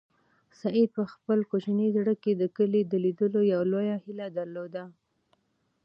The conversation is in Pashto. سعید په خپل کوچني زړه کې د کلي د لیدلو یوه لویه هیله درلوده.